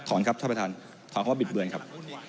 ครับท่านประธานถอนคำว่าบิดเบือนครับ